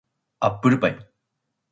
アップルパイ